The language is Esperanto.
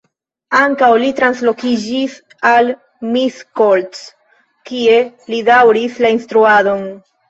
Ankaŭ li translokiĝis al Miskolc, kie li daŭris la instruadon.